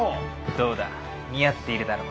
どうだ似合っているだろう。